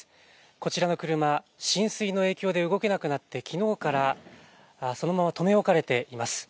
こちらの車、浸水の影響で動けなくなって、きのうからそのままとめ置かれています。